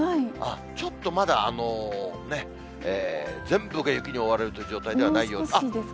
ちょっとまだ全部が雪に覆われるという状態ではないようです。